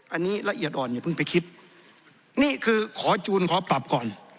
อันนี้ละเอียดอ่อนอย่าเพิ่งไปคิดนี่คือขอจูนขอปรับก่อน